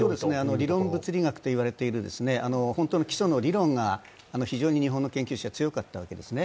理論物理学といわれている基礎の理論が非常に日本の研究者強かったわけですね。